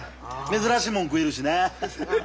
珍しいもん食えるしな。